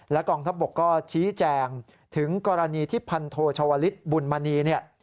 และกองทบก็ชี้แจ่งถึงกรณีที่พันโทชวลิชบุญมาี